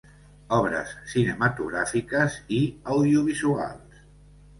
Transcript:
Obres cinematogràfiques i audiovisuals.